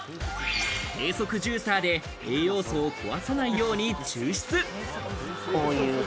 低速ジューサーで栄養素を壊さないように抽出。